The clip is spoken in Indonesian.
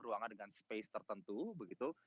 ruangan dengan space tertentu begitu